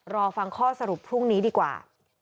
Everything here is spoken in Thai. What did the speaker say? รอฟังข้อสรุปพรุ่งนี้ดีกว่า